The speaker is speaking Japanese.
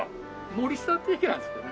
「森下」っていう駅なんですけどね。